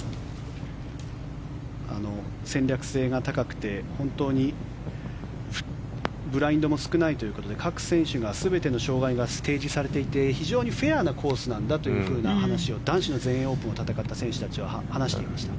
戦略性が高くて本当にブラインドも少ないということで各選手が全ての障害がステージされていて非常にフェアなコースなんだという話を男子の全英オープンを戦った選手たちは話していました。